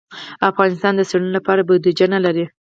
افغانستان د څېړنو لپاره بودیجه نه لري.